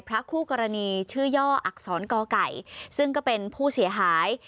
คู่กรณีชื่อย่ออักษรกอไก่ซึ่งก็เป็นผู้เสียหาย